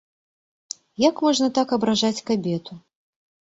Як можна так абражаць кабету?